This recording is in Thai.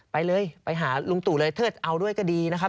ไปเลยไปหาลุงตู่เลยเทิดเอาด้วยก็ดีนะครับ